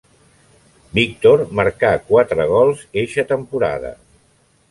Víctor marcà quatre gols eixa temporada.